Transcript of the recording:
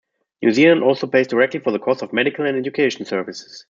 New Zealand also pays directly for the cost of medical and education services.